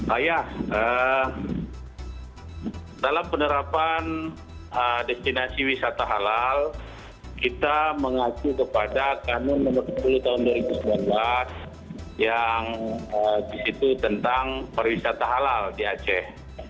ayah dalam penerapan destinasi wisata halal kita mengacu kepada kanun nomor sepuluh tahun dua ribu sembilan belas yang di situ tentang pariwisata halal di aceh